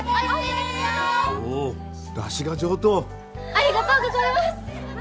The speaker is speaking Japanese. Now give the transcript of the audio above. ありがとうございます！